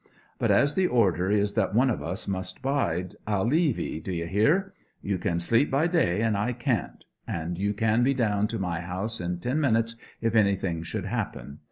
But as the order is that one of us must bide, I'll leave 'ee, d'ye hear. You can sleep by day, and I can't. And you can be down to my house in ten minutes if anything should happen.